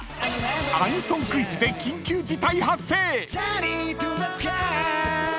［アニソンクイズで緊急事態発生！］